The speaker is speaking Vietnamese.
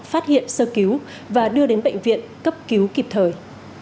phát hiện sơ cứu và đưa đến bệnh viện cấp cứu kịp thời